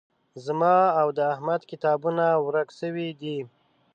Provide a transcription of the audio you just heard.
زما او د احمد کتابونه ورک شوي دي